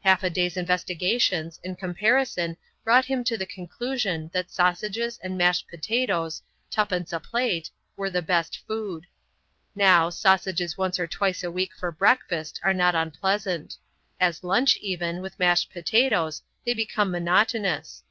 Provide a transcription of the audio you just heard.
Half a day's investigations and comparison brought him to the conclusion that sausages and mashed potatoes, twopence a plate, were the best food. Now, sausages once or twice a week for breakfast are not unpleasant. As lunch, even, with mashed potatoes, they become monotonous.